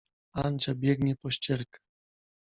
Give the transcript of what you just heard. Andzia biegnie po ścierkę.